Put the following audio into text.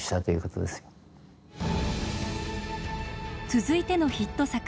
続いてのヒット作